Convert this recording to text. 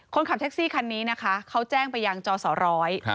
คนขับแท็กซี่คันนี้นะคะเขาแจ้งไปยังจอสอร้อย